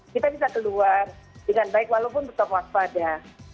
kita bisa keluar dengan baik walaupun tetap waspada